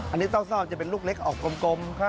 อันนี้เศร้าจะเป็นลูกเล็กออกกลม